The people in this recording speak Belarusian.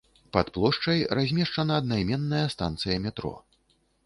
Пад плошчай размешчана аднайменная станцыя метро.